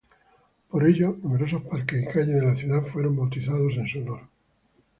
Por ello, numerosos parques y calles de la ciudad fueron bautizados en su honor.